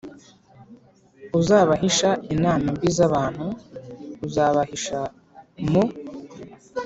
uzabahisha inama mbi z abantu Uzabahisha mu